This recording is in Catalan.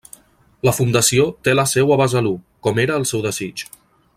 La fundació té la seu a Besalú, com era el seu desig.